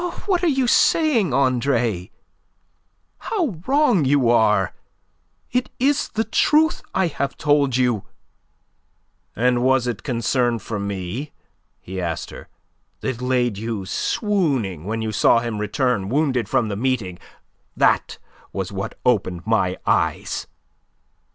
"Oh, what are you saying, Andre? How wrong you are! It is the truth I have told you!" "And was it concern for me," he asked her, "that laid you swooning when you saw him return wounded from the meeting? That was what opened my eyes."